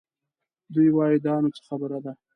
دوی وايي دا نو څه خبره ده؟